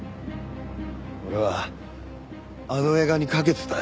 俺はあの映画に懸けてたよ。